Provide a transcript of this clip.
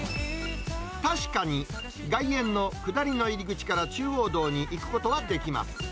確かに外苑の下りの入り口から中央道に行くことはできます。